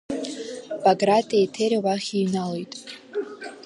Баграти Еҭери уахь иҩналоит.